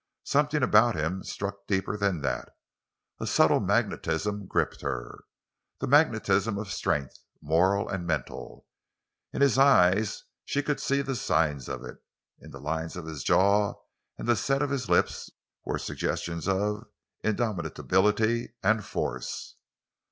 Something about him struck deeper than that. A subtle magnetism gripped her—the magnetism of strength, moral and mental. In his eyes she could see the signs of it; in the lines of his jaw and the set of his lips were suggestions of indomitability and force.